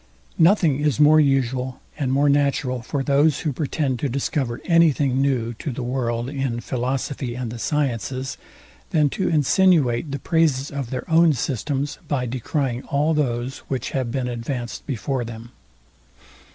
Nothing is more usual and more natural for those, who pretend to discover anything new to the world in philosophy and the sciences, than to insinuate the praises of their own systems, by decrying all those, which have been advanced before them.